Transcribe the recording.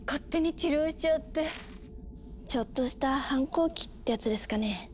ちょっとした反抗期ってやつですかね？